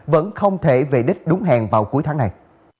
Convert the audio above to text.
vẫn không thể về đích đúng hẹn vào cuối tháng này